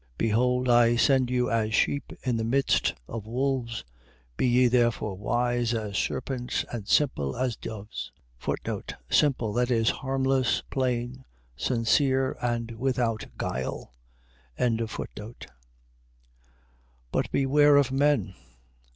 10:16. Behold I send you as sheep in the midst of wolves. Be ye therefore wise as serpents and simple as doves. Simple. . .That is, harmless, plain, sincere, and without guile. 10:17. But beware of men.